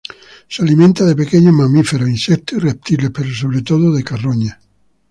Se alimenta de pequeños mamíferos, insectos y reptiles, pero sobre todo de carroña.